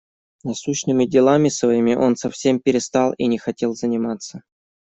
Насущными делами своими он совсем перестал и не хотел заниматься.